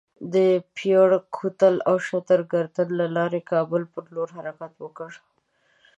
د پیواړ کوتل او شترګردن له لارې کابل پر لور حرکت وکړ.